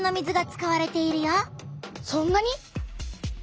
そんなに？